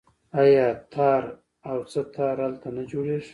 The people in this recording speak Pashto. آیا تار او سه تار هلته نه جوړیږي؟